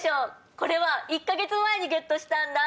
これは１か月前にゲットしたんだ！